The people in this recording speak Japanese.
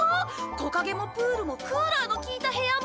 木陰もプールもクーラーの利いた部屋も？